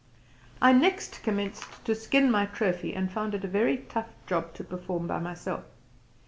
I next commenced to skin my trophy and found it a very tough job to perform by myself.